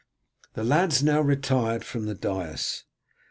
The lads now retired from the dais.